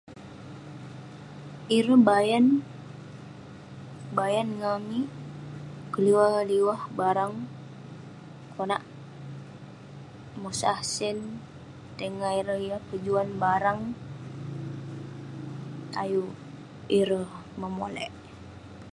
Ireh bayan- ngan amik keliwah-liwah barang konak mosah sen tai ngan ireh yah pejuan barang ayuk ireh memolek